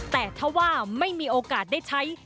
แต่ถ้าว่าไม่มีโอกาสได้ใช้